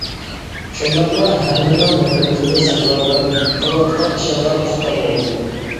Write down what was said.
شۇنداقلا ھەممىنىڭ نەپرىتىدىن ساقلانغىن. قىلىۋاتقان ئىشىڭغا پۇختا بول.